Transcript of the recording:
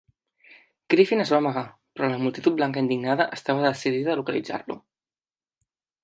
Griffin es va amagar, però la multitud blanca indignada estava decidida a localitzar-lo.